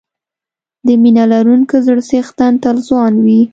د مینه لرونکي زړه څښتن تل ځوان وي.